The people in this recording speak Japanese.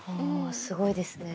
すごいですね。